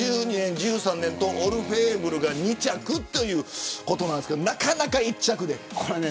１２年、１３年とオルフェーヴルが２着ということなんですがなかなか１着では。